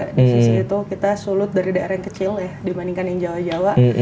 di sisi itu kita sulut dari daerah yang kecil ya dibandingkan yang jawa jawa